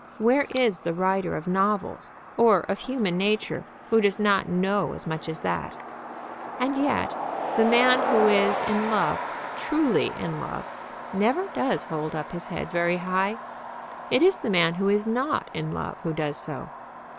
Where is the writer of novels, or of human nature, who does not know as much as that? And yet the man who is in love, truly in love, never does hold up his head very high. It is the man who is not in love who does so.